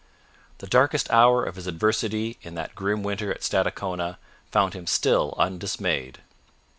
The darkest hour of his adversity in that grim winter at Stadacona found him still undismayed.